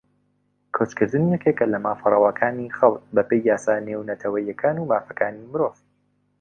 کۆچکردن یەکێکە لە مافە ڕەواکانی خەڵک بەپێی یاسا نێونەتەوەییەکان و مافەکانی مرۆڤ